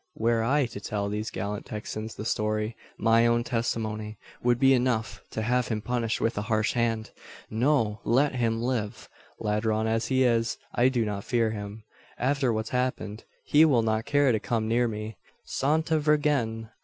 were I to tell these gallant Texans the story, my own testimony would be enough to have him punished with a harsh hand. No! let him live. Ladron as he is, I do not fear him. After what's happened he will not care to come near me. Santa Virgen!